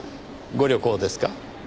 ご旅行ですか？